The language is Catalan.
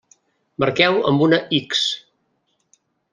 Marqueu amb una X.